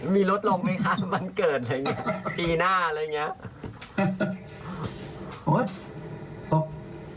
มีรถลงไหมคะบันเกิดปีหน้าอะไรอย่างนี้